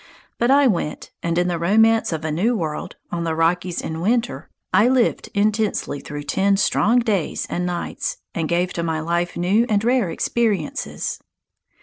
But I went, and in the romance of a new world on the Rockies in winter I lived intensely through ten strong days and nights, and gave to my life new and rare experiences.